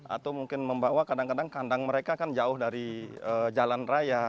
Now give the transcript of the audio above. atau mungkin membawa kadang kadang kandang mereka kan jauh dari jalan raya